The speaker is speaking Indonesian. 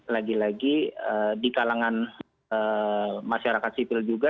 lagi lagi di kalangan masyarakat sipil juga